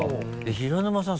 平沼さん